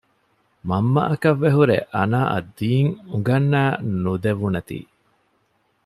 މަންމައަކަށްވެ ހުރެ އަނާއަށް ދީން އުނގަންނައި ނުދެވުނަތީ